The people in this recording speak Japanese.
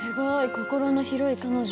心の広い彼女。